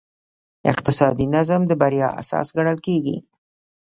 اقتصادي نظم د بریا اساس ګڼل کېږي.